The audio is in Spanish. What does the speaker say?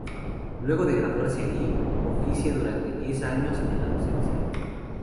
Luego de graduarse allí, oficia durante diez años en la docencia.